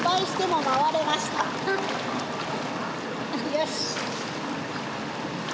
よし！